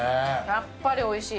やっぱりおいしい。